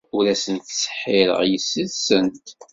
Ur asent-ttseḥḥireɣ yessi-tsent.